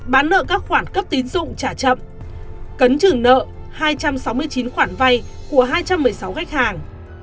bán nợ các khoản cấp tín dụng trả chậm cấn trừng nợ hai trăm sáu mươi chín khoản vay của hai trăm một mươi sáu khách hàng